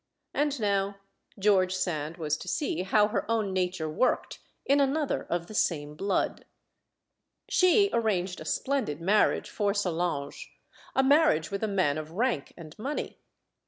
And now George Sand was to see how her own nature worked in another of the same blood. She arranged a splendid marriage for Solange, a marriage "with a man of rank and money.